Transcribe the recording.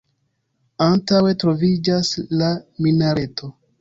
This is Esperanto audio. Antaŭe troviĝas la minareto.